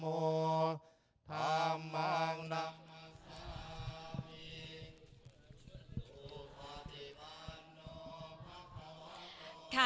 อภิวัณฑ์นัปสาธารณะโรควา